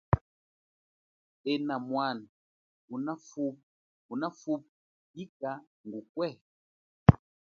Enamwana, unafupa yika ngukwehe?